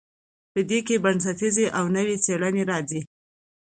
په دې کې بنسټیزې او نوې څیړنې راځي.